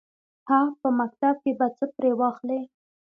_هه! په مکتب کې به څه پرې واخلې.